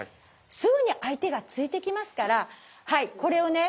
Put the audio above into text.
すぐに相手が突いてきますからこれをね